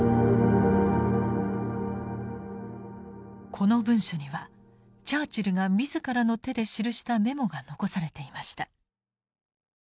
この文書にはチャーチルが自らの手で記したメモが残されていました。